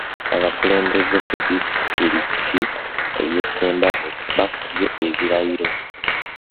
Abakulembeze ku disitulikiti y’e Ssembabule bakubye ebirayiro